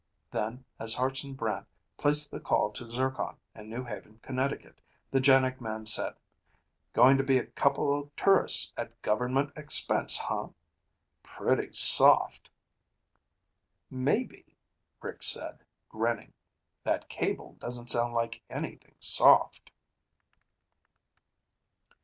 Then, as Hartson Brant placed the call to Zircon in New Haven, Connecticut, the JANIG man said, "Going to be a couple of tourists at government expense, huh? Pretty soft." "Maybe," Rick said, grinning. "That cable doesn't sound like anything soft."